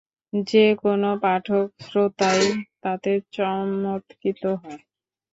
যে কোন পাঠক শ্রোতাই তাতে চমৎকৃত হয়।